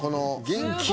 元気。